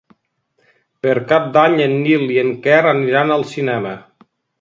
Per Cap d'Any en Nil i en Quer aniran al cinema.